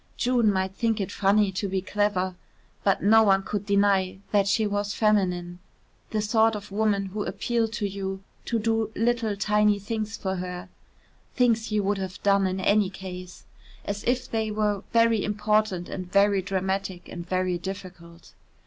June might think it funny to be clever, but no one could deny that she was feminine the sort of woman who appealed to you to do little tiny things for her (things you would have done in any case), as if they were very important and very dramatic and very difficult.